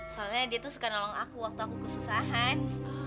soalnya dia tuh suka nolong aku waktu aku kesusahan